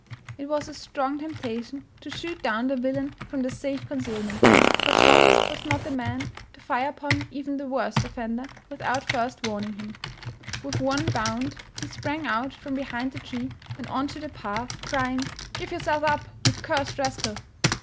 It was a strong temptation to shoot down the villain from the safe concealment. But Hopp was not the man to fire upon even the worst offender without first warning him. With one bound he sprang out from behind the tree and on to the path, crying, " Give yourself up, you cursed rascal!